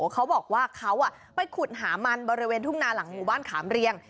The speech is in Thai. เขาบอกว่าเขาไปขุดหามันบริเวณทุ่งนาหลังหมู่บ้านขามเรียง